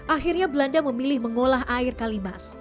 akhirnya belanda memilih mengolah air kalimas